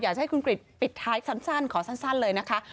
อยากให้คุณกริจปิดท้ายสั้นขอสั้นเลยนะคะ